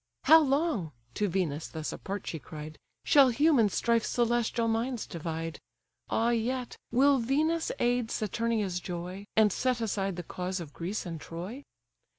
"How long (to Venus thus apart she cried) Shall human strife celestial minds divide? Ah yet, will Venus aid Saturnia's joy, And set aside the cause of Greece and Troy?"